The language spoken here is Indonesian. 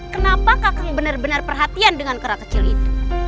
kenapa kakang benar benar perhatian dengan kera kecil itu